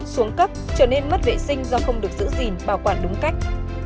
xuống cấp trở nên mất vệ sinh do không được giữ gìn bảo quản đúng cách